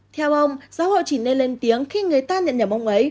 theo ông xã hội chỉ nên lên tiếng khi người ta nhận nhầm ông ấy